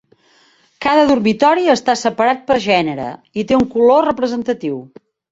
Cada dormitori està separat per gènere i té un color representatiu.